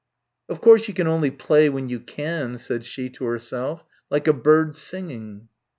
"Of course you can only 'play when you can,'" said she to herself, "like a bird singing."